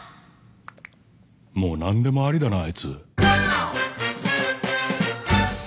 もう何でもありだなあいつ。